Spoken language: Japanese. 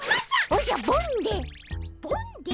おじゃボんで！